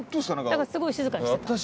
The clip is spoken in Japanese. だからすごい静かにしてた。